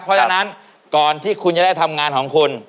เพราะฉะนั้นก่อนที่คุณจะได้ทำงานของคุณ